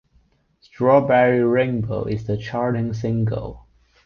"Strawberry Rainbow" is the charting single.